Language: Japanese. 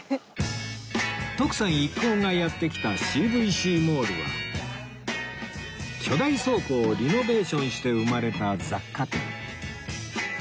徳さん一行がやって来た Ｃ．Ｖ．Ｃ モールは巨大倉庫をリノベーションして生まれた雑貨店